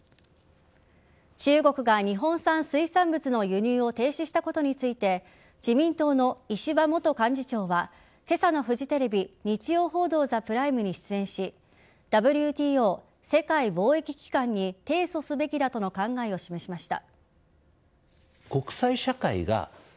中国が日本産水産物の輸入を停止したことについて自民党の石破元幹事長はけさのフジテレビ日曜報道ＴＨＥＰＲＩＭＥに出演しＷＴＯ＝世界貿易機関に提訴すべきだとの考えを示しました。